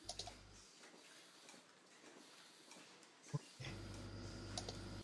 তিনি আবার ভর্তি হন আইন পড়ায়।